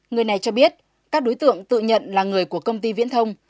người này cho biết các đối tượng tự nhận là người của công ty viễn thông